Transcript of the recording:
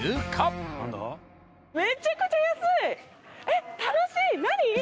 えっ楽しい！何？